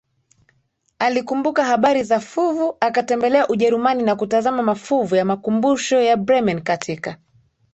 alikumbuka habari za fuvu akatembelea Ujerumani na kutazama mafuvu ya makumbusho ya BremenKatika